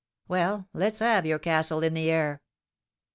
"Well, let's have your castle in the air."